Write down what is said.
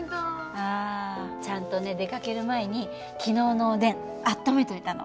あちゃんとね出かける前に昨日のおでん温めといたの。